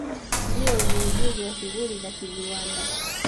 Ndio wenye ujuzi wa shughuli za kiviwanda